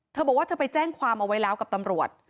เธอบอกว่าเธอไปแจ้งความเอาไว้แล้วกับตำรวจ